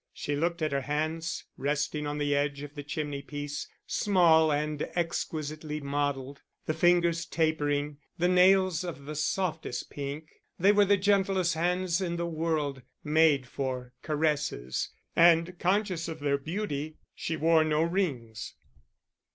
She looked at her hands, resting on the edge of the chimney piece, small and exquisitely modelled, the fingers tapering, the nails of the softest pink. They were the gentlest hands in the world, made for caresses; and, conscious of their beauty, she wore no rings.